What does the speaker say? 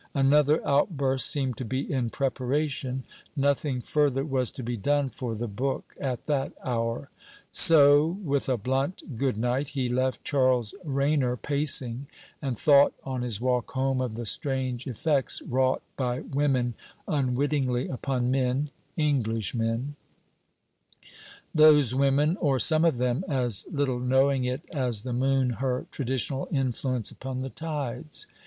Another outburst seemed to be in preparation. Nothing further was to be done for the book at that hour. So, with a blunt 'Good night,' he left Charles Rainer pacing, and thought on his walk home of the strange effects wrought by women unwittingly upon men (Englishmen); those women, or some of them, as little knowing it as the moon her traditional influence upon the tides.